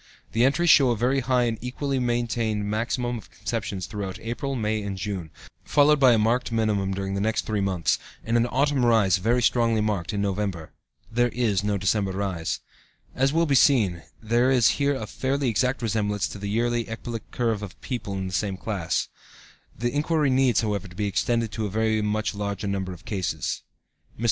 The entries show a very high and equally maintained maximum of conceptions throughout April, May and June, followed by a marked minimum during the next three months, and an autumn rise very strongly marked, in November. There is no December rise. As will be seen, there is here a fairly exact resemblance to the yearly ecbolic curve of people of the same class. The inquiry needs, however, to be extended to a very much larger number of cases. Mr.